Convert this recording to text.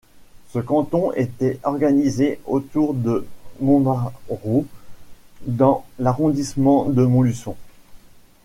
Ce canton était organisé autour de Montmarault dans l'arrondissement de Montluçon.